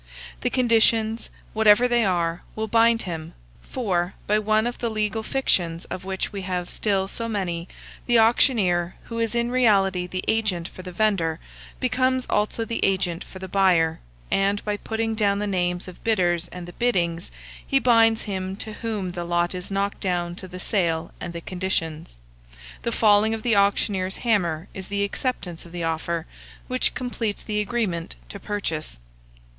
The conditions, whatever they are, will bind him; for by one of the legal fictions of which we have still so many, the auctioneer, who is in reality the agent for the vendor, becomes also the agent for the buyer, and by putting down the names of bidders and the biddings, he binds him to whom the lot is knocked down to the sale and the conditions, the falling of the auctioneer's hammer is the acceptance of the offer, which completes the agreement to purchase.